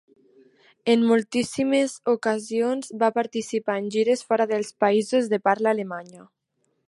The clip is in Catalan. En moltíssimes ocasions va participar en gires fora dels països de parla alemanya.